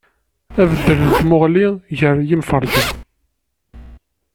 Abeddel n tmuɣli gar yimferǧen.